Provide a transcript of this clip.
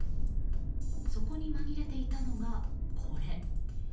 そこに紛れていたのが、これ。